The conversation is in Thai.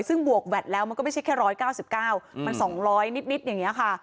ซึ่งบวกแวดแล้วมันก็ไม่ใช่แค่๑๙๙มัน๒๐๐นิดอย่างนี้ค่ะ